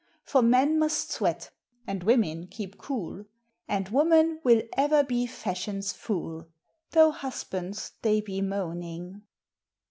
For men must sweat, and women keep cool, And woman will ever be fashion's fool, Though husbands they be moaning.